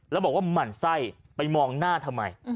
แล้วบอกว่าหมั่นไส้ไปมองหน้าทำไม